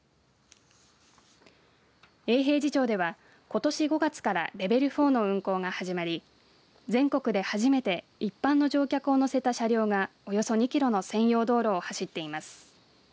永平寺町ではことし５月からレベル４の運行が始まり全国で初めて一般の乗客を乗せた車両がおよそ２キロの専用道路を走っています。